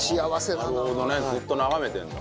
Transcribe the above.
なるほどねずっと眺めてるんだ。